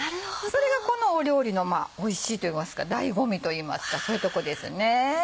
それがこの料理のおいしいといいますか醍醐味といいますかそういうとこですね。